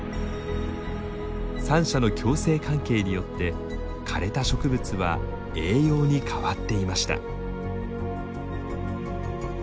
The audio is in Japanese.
三者の共生関係によって枯れた植物は栄養に変わっていました。